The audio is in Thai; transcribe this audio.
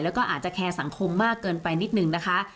แล้วก็อาจจะแคร์สังคมมากเกินไปนิดนึงนะคะ